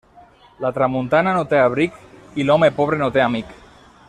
La tramuntana no té abric i l'home pobre no té amic.